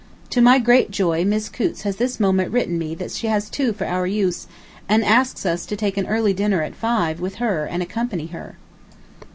To my great joy Miss Coutts has this moment written me that she has two for our use, and asks us to take an early dinner at five with her and accompany her.